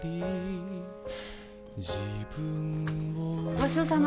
ごちそうさま